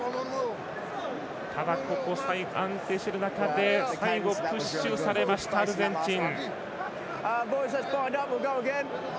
ただ、安定している中で最後、プッシュされましたアルゼンチン。